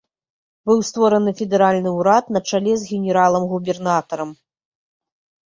Быў створаны федэральны ўрад на чале з генерал-губернатарам.